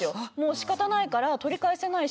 仕方ないから、取り返せないし。